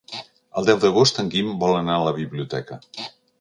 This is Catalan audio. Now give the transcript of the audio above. El deu d'agost en Guim vol anar a la biblioteca.